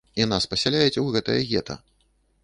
І нас пасяляюць у гэтае гета.